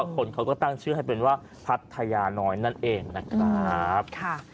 คนเขาก็ตั้งชื่อให้เป็นว่าพัทยาน้อยนั่นเองนะครับ